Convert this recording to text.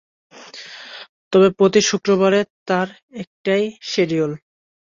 তবে প্রতি শুক্রবারে তার একটাই শিডিউল।